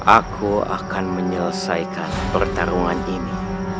aku akan menyelesaikan pertarungan ini